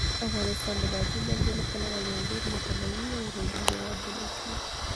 افغانستان د بادي انرژي له پلوه یو ډېر متنوع او رنګین هېواد بلل کېږي.